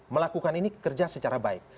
melakukan ini kerja secara baik